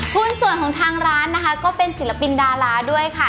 หุ้นส่วนของทางร้านนะคะก็เป็นศิลปินดาราด้วยค่ะ